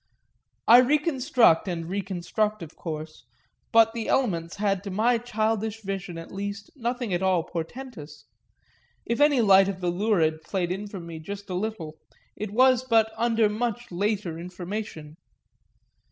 I reconstruct and reconstruct of course, but the elements had to my childish vision at least nothing at all portentous; if any light of the lurid played in for me just a little it was but under much later information.